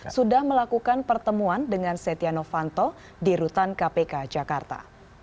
sudah melakukan pertemuan dengan setia novanto di rutan kpk jakarta